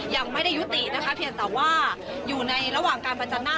ยังไม่ได้ยุตินะคะเพียงแต่ว่าอยู่ในระหว่างการประจันหน้า